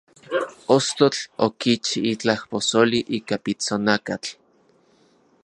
Ostotl okichi itlaj posoli ika pitsonakatl.